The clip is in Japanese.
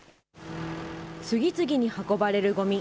次々に運ばれるごみ。